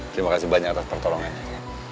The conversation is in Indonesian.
terima kasih banyak atas pertolongannya